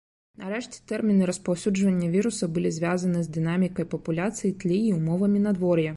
Нарэшце, тэрміны распаўсюджвання віруса былі звязаны з дынамікай папуляцыі тлі і ўмовамі надвор'я.